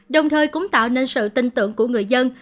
đồng thời cũng tạo nên sự tin tưởng của người dân